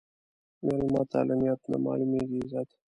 مېلمه ته له نیت نه معلومېږي عزت.